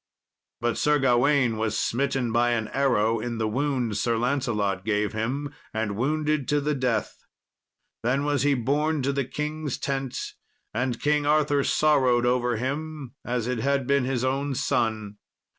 But Sir Gawain was smitten by an arrow in the wound Sir Lancelot gave him, and wounded to the death. Then was he borne to the king's tent, and King Arthur sorrowed over him as it had been his own son.